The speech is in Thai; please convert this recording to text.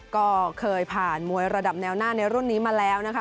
ก็เคยผ่านมวยระดับแนวหน้าในรุ่นนี้มาแล้วนะคะ